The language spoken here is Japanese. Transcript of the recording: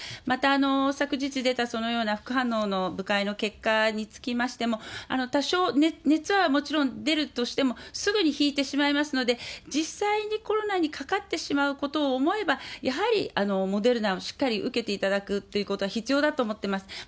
また、昨日出た、そのような副反応の部会の結果につきましても、多少熱はもちろん出るとしても、すぐに引いてしまいますので、実際にコロナにかかってしまうことを思えば、やはりモデルナをしっかり受けていただくということは必要だと思ってます。